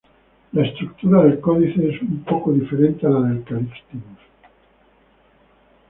La estructura del códice es un poco diferente a la del Calixtinus.